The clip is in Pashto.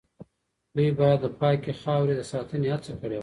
دوی باید د پاکې خاورې د ساتنې هڅه کړې وای.